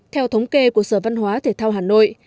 theo thống kê của sở văn hóa thể thao hà nội